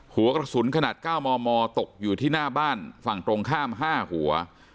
หัวกระสุนขนาด๙มมตกอยู่ที่หน้าบ้านฝั่งตรงข้าม๕หัว